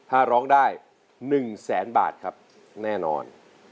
ถ้าร้องได้หนึ่งแสนบาทครับแน่โน้น